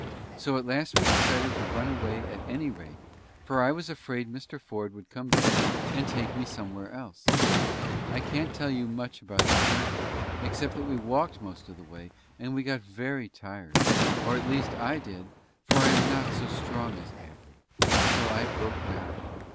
So at last we decided to run away at any rate, for I was afraid Mr. Ford would come back and take me somewhere else. I can't tell you much about the journey, except that we walked most of the way, and we got very tired or, at least, I did, for I am not so strong as Abner till I broke down.